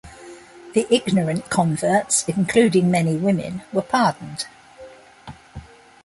The ignorant converts, including many women, were pardoned.